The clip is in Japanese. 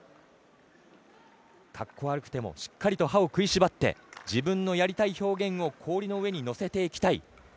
かっこ悪くてもしっかりと歯を食いしばって自分のやりたい表現を氷の上に乗せていきたい。